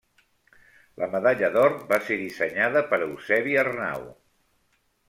La Medalla d'Or va ser dissenyada per Eusebi Arnau.